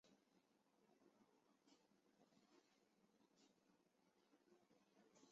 她的研究彻底改变了宇宙学家对宇宙的了解和模型建构。